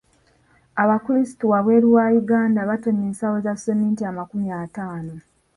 Abakulisitu wabweru wa Uganda batonye ensawo za seminti amakumi ataano.